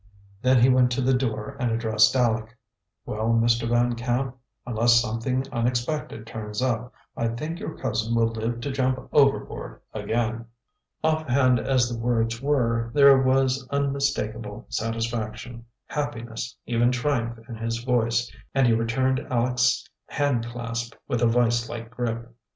Then he went to the door and addressed Aleck. "Well, Mr. Van Camp, unless something unexpected turns up, I think your cousin will live to jump overboard again." Offhand as the words were, there was unmistakable satisfaction, happiness, even triumph in his voice, and he returned Aleck's hand clasp with a vise like grip.